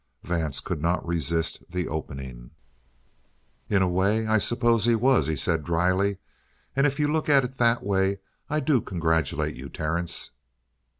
Vance could not resist the opening. "In a way, I suppose he was," he said dryly. "And if you look at it in that way, I do congratulate you, Terence!"